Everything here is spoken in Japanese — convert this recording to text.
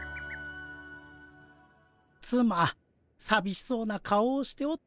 つまさびしそうな顔をしておったの。